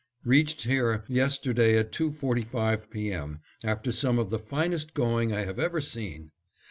Reached here yesterday at two forty five P. M., after some of the finest going I have ever seen.